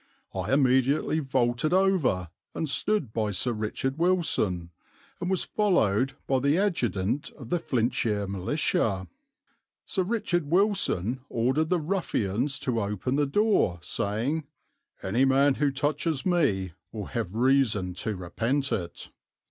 I immediately vaulted over, and stood by Sir Richard Wilson, and was followed by the adjutant of the Flintshire Militia. Sir R. Wilson ordered the ruffians to open the door, saying, 'Any man who touches me will have reason to repent it.'